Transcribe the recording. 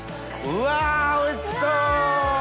うわおいしそ！